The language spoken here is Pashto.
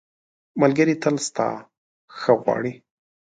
ملګری تل ستا ښه غواړي.